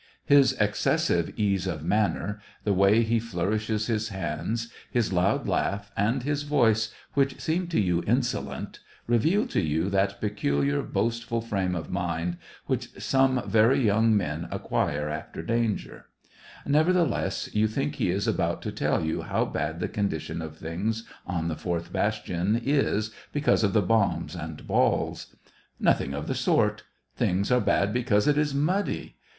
His excessive ease of manner, the way he flour ishes his hands, his loud laugh, and his voice, which seems to you insolent, reveal to you that peculiar boastful frame of mind which some very young men acquire after danger ; nevertheless, you think he is about to tell you how bad the condition of things on the fourth bastion is because of the bombs and balls. Nothing of the sort ! things are bad be cause it is muddy.